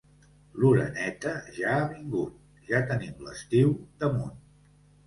L'oreneta ja ha vingut, ja tenim l'estiu damunt.